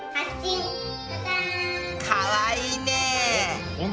かわいいね。